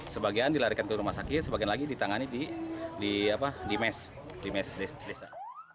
sebagian dilarikan ke rumah sakit sebagian lagi ditangani di mes di mes desa